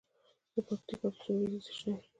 د پکتیکا په سروبي کې د څه شي نښې دي؟